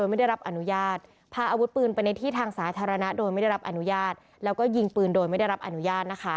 มีอาวุธปืนในครอบครองโดยไม่ได้รับอนุญาต